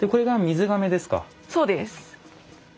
そうです。